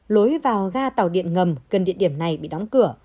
lối vào ga tàu điện ngầm gần địa điểm này bị đóng cửa